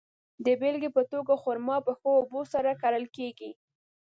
د بېلګې په توګه، خرما په ښه اوبو سره کرل کیږي.